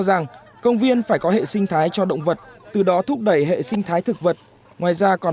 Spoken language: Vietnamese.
rằng công viên phải có hệ sinh thái cho động vật từ đó thúc đẩy hệ sinh thái thực vật ngoài ra còn